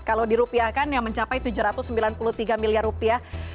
kalau di rupiah kan yang mencapai tujuh ratus sembilan puluh tiga miliar rupiah